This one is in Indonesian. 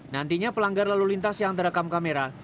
nantinya pelanggar lalu lintas yang terekam kamera